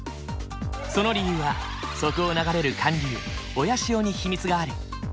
その理由はそこを流れる寒流親潮に秘密がある。